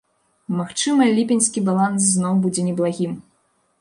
Магчыма, ліпеньскі баланс зноў будзе неблагім.